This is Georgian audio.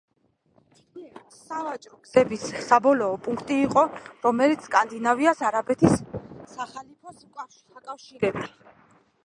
სავაჭრო გზების საბოლოო პუნქტი იყო, რომელიც სკანდინავიას არაბეთის სახალიფოს აკავშირებდა.